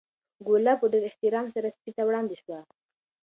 ګوله په ډېر احترام سره سپي ته وړاندې شوه.